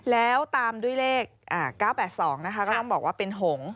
แล้วตามด้วยเลข๙๘๒นะคะก็ต้องบอกว่าเป็นหง